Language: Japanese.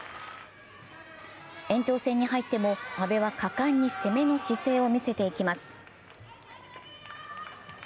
延長戦に入っても阿部は果敢に攻めの姿勢を見せていきます。